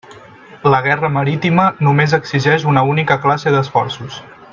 La guerra marítima només exigeix una única classe d'esforços.